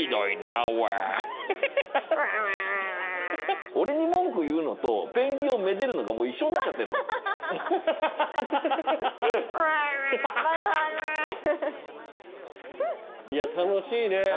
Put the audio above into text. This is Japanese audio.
いや楽しいね。